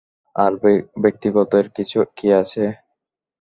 আর ব্যক্তিগতের কী আছে?